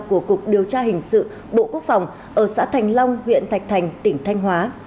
của cục điều tra hình sự bộ quốc phòng ở xã thành long huyện thạch thành tỉnh thanh hóa